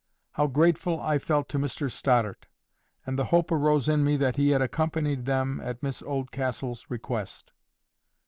How grateful I felt to Mr Stoddart! And the hope arose in me that he had accompanied them at Miss Oldcastle's request.